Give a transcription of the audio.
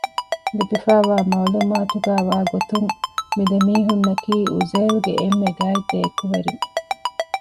ލިބިފައިވާ މަޢުލޫމާތުގައި ވާގޮތުން މި ދެމީހުންނަކީ އުޒޭލްގެ އެންމެ ގާތް ދެއެކުވެރިން